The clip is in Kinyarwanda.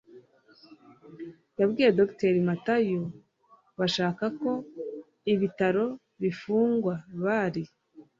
yabwiye dr matayo bashaka ko ibitaro bifungwa. bari